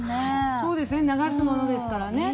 そうですね流すものですからね。